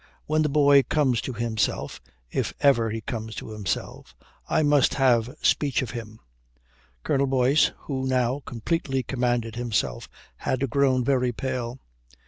When the boy comes to himself if ever he comes to himself I must have speech of him." Colonel Boyce, who now completely commanded himself, had grown very pale.